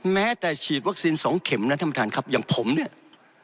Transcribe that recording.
แม้แต่ฉีดวัคซีนสองเข็มนะท่านประธานครับอย่างผมเนี่ย